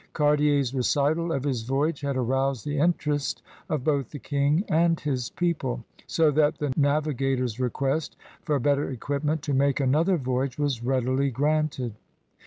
Cartier's redtid of his voyage had aroused the interest of both the King and his pec^le, so that the navigator's request for better equip ment to make another voyage was readily granted.